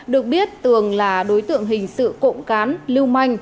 được biết tường là đối tượng hình sự cộng cán lưu manh